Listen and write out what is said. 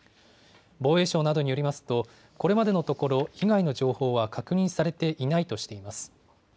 防衛省などによりますと、これまでのところ、被害の情報は確認されていないとしています。